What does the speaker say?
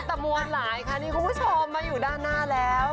แต่มวลหลายค่ะนี่คุณผู้ชมมาอยู่ด้านหน้าแล้ว